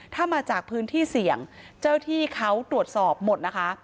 ถ้ามาจากพื้นที่เสี่ยงเจ้าที่เขาตรวจสอบหมดนะคะ